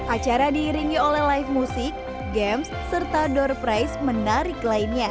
acara diiringi oleh live music games serta door price menarik lainnya